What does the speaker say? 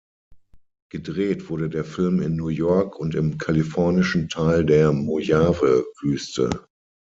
Gedreht wurde der Film in New York und im kalifornischen Teil der Mojave-Wüste.